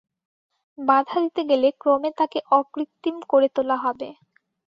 বাধা দিতে গেলে ক্রমে তাকে অকৃত্রিম করে তোলা হবে।